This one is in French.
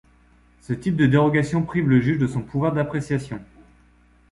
Ce type de dérogation prive le juge de son pouvoir d'appréciation.